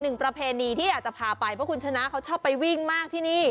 ประเพณีที่อยากจะพาไปเพราะคุณชนะเขาชอบไปวิ่งมากที่นี่